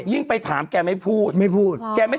ยิ่งไปถามแกไม่พูด